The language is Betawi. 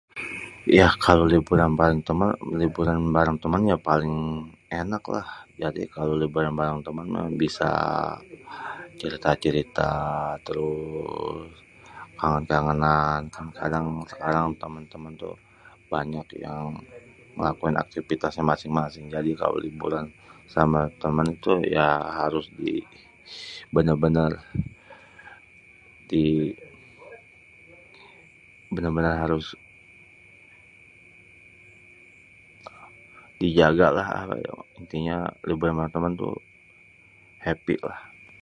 Ya kalo liburan bareng temen paling enak lah. Kalo liburan bareng temen mah bisa cerita-cerita terus kangen-kangenan, kan kadang sekarang temen-temen tuh banyak yang ngelakuin aktifitasnya masing-masing jadi kalo liburan sama temen tuh harus bener-bener dijaga happy lah.